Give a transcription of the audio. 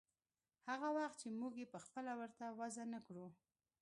هغه وخت چې موږ يې پخپله ورته وضع نه کړو.